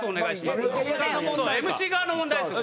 ＭＣ側の問題ですよ。